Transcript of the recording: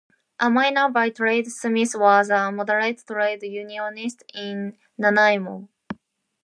A miner by trade, Smith was a moderate trade unionist in Nanaimo.